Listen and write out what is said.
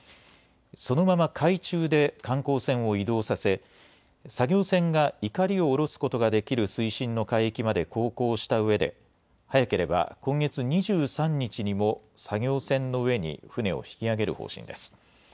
そのまま海中で観光船を移動させ、作業船がいかりを下ろすことができる水深の海域まで航行したうえで、早ければ今月２３日にも作業船の上に船を引き揚げる方針です。